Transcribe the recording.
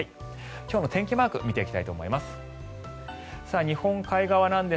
今日の天気マーク見ていきたいと思います。